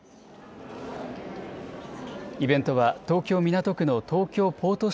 イベントは、東京・港区の東京ポート